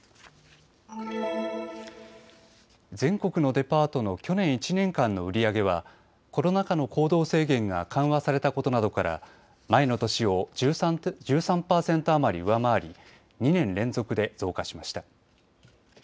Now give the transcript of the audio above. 全国のデパートの去年１年間の売り上げはコロナ禍の行動制限が緩和されたことなどから前の年を１３％余り上回り２年連続で増加しました。